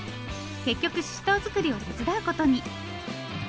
結局ししとう作りを手伝うことに。